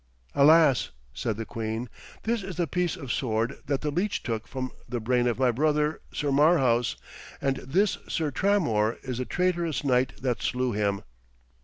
'Alas!' said the queen, 'this is the piece of sword that the leech took from the brain of my brother, Sir Marhaus, and this Sir Tramor is the traitorous knight that slew him!'